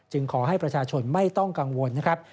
ขอให้ประชาชนไม่ต้องกังวลนะครับ